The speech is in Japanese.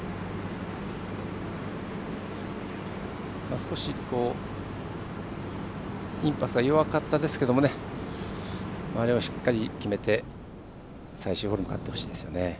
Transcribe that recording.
少しインパクトが弱かったですけどあれをしっかり決めて最終ホールに向かってほしいです。